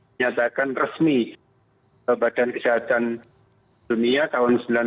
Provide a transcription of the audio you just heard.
menyatakan resmi badan kesehatan dunia tahun seribu sembilan ratus sembilan puluh